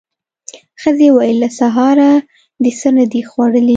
ښځې وويل: له سهاره دې څه نه دي خوړلي.